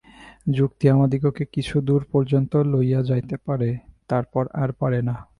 যুক্তি আমাদিগকে কিছুদূর পর্যন্ত লইয়া যাইতে পারে, তারপর আর পারে না।